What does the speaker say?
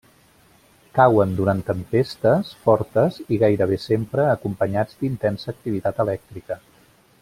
Cauen durant tempestes fortes i gairebé sempre acompanyats d’intensa activitat elèctrica.